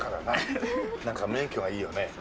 なんか免許はいいよね。